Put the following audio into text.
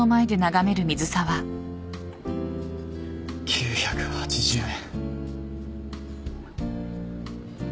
９８０円。